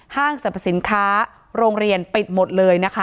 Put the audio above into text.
ห้างสรรพสินค้าโรงเรียนปิดหมดเลยนะคะ